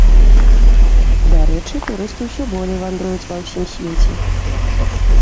Дарэчы, турысты ўсё болей вандруюць ва ўсім свеце.